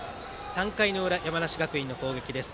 ３回の裏、山梨学院の攻撃です。